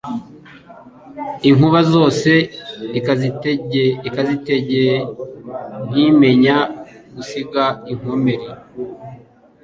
Inkuba zose ikazitegek Ntimenya gusiga inkomeri